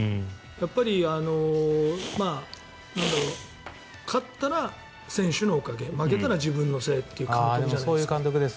やっぱり勝ったら選手のおかげ負けたら自分のせいという監督じゃないですか。